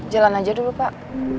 jalan aja dulu pak